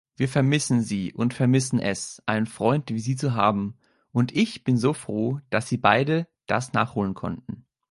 Wir vermissen Sie und vermissen es, einen Freund wie Sie zu haben, und ich bin so froh, dass Sie beide das nachholen konnten.